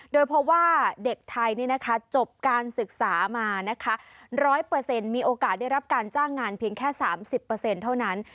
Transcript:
โดยเพราะว่าเด็กไทยจบการศึกษามานะคะ๑๐๐มีโอกาสได้รับการจ้างงานเพียงแค่๓๐เท่านั้น